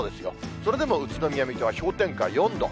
それでも宇都宮、水戸は氷点下４度。